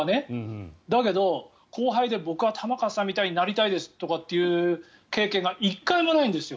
だけど、後輩で僕は玉川さんみたいになりたいですという経験が１回もないんですよ